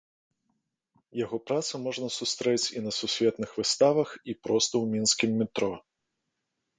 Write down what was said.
Яго працы можна сустрэць і на сусветных выставах, і проста ў мінскім метро.